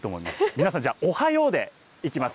皆さん、じゃあ、おはようでいきます。